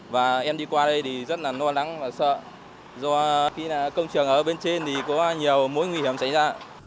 và em đi qua đây thì rất là lo lắng và sợ do khi công trường ở bên trên thì có nhiều mối nguy hiểm xảy ra